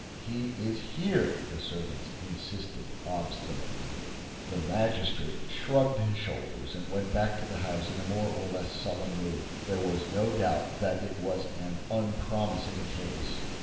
"He is here," the servants insisted, obstinately. The magistrate shrugged his shoulders and went back to the house in a more or less sullen mood. There was no doubt that it was an unpromising case.